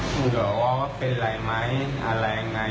แบบว่าเป็นไรไหมอะไรยังไง